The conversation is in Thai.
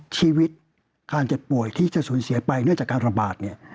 ชีวิตการเจ็บป่วยที่จะสูญเสียไปเนื่องจากการระบาดเนี่ย